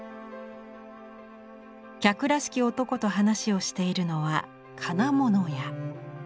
客らしき男と話をしているのは金物屋。